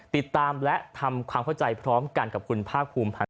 ติดตามและทำความเข้าใจพร้อมกันกับคุณภาคภูมิพันธ์